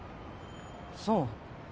そう。